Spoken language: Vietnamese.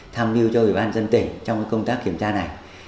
tham mưu cho ủy ban dân tỉnh trong công tác kiểm tra này